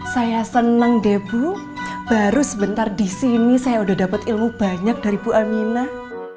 saya senang deh bu baru sebentar di sini saya udah dapat ilmu banyak dari bu aminah